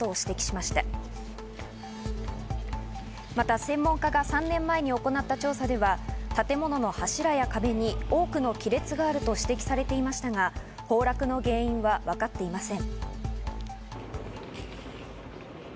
また専門家が３年前に行った調査では建物の柱や壁に多くの亀裂があると指摘されていましたが、崩落の原因は分かっていません。